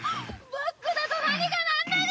バックだと何がなんだか！